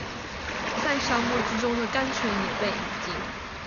在沙漠之中的甘泉也被飲盡